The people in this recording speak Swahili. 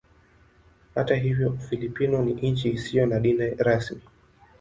Hata hivyo Ufilipino ni nchi isiyo na dini rasmi.